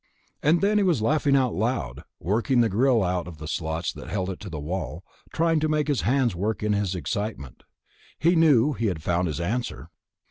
And then he was laughing out loud, working the grill out of the slots that held it to the wall, trying to make his hands work in his excitement. He knew he had found his answer.